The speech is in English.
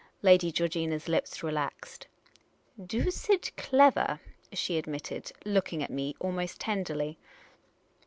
Lady Georgina's lips relaxed. "Doosid clever," she admitted, looking at me almost tenderly.